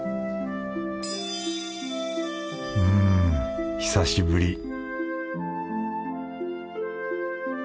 うん久しぶり